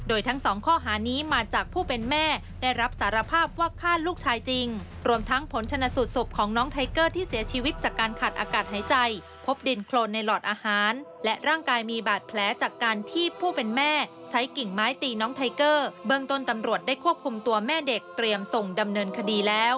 โดยทั้งสองข้อหานี้มาจากผู้เป็นแม่ได้รับสารภาพว่าฆ่าลูกชายจริงรวมทั้งผลชนะสูตรศพของน้องไทเกอร์ที่เสียชีวิตจากการขาดอากาศหายใจพบดินโครนในหลอดอาหารและร่างกายมีบาดแผลจากการที่ผู้เป็นแม่ใช้กิ่งไม้ตีน้องไทเกอร์เบื้องต้นตำรวจได้ควบคุมตัวแม่เด็กเตรียมส่งดำเนินคดีแล้ว